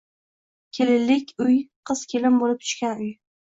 Kelinlik uy qiz kelin boʻlib tushgan uy